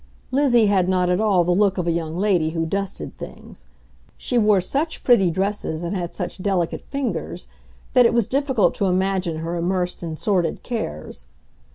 Lizzie had not at all the look of a young lady who dusted things; she wore such pretty dresses and had such delicate fingers that it was difficult to imagine her immersed in sordid cares.